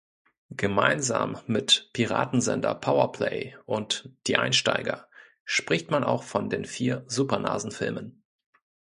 Gemeinsam mit "Piratensender Powerplay" und "Die Einsteiger" spricht man auch von den vier "Supernasen"-Filmen.